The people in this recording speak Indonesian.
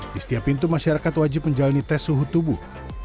di setiap pintu masyarakat wajib menjalani tes suhu tubuh